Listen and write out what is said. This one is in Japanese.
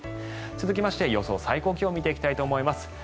続きまして、予想最高気温を見ていきたいと思います。